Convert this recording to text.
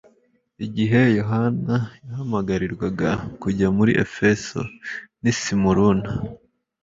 Igihe Yohana yahamagarirwaga kujya muri Efeso n’i Simuruna,